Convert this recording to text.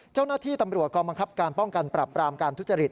เจ้าหน้าที่ตำรวจกองบังคับการป้องกันปรับปรามการทุจริต